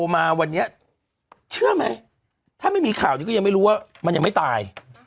มาวันนี้เชื่อไหมถ้าไม่มีข่าวนี้ก็ยังไม่รู้ว่ามันยังไม่ตาย